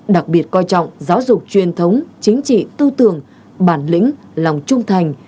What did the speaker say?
đặc biệt coi trọng giáo dục truyền thống chính trị tư tưởng bản lĩnh lòng trung thành